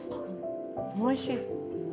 おいしい。